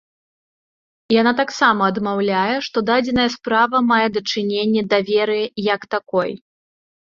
Яна таксама адмаўляе, што дадзеная справа мае дачыненне да веры як такой.